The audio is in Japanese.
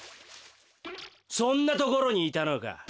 そんなところにいたのか。